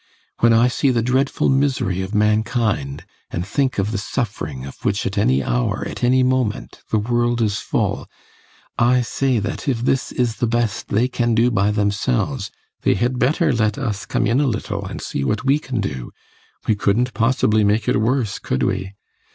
When I see the dreadful misery of mankind and think of the suffering of which at any hour, at any moment, the world is full, I say that if this is the best they can do by themselves, they had better let us come in a little and see what we can do. We couldn't possibly make it worse, could we?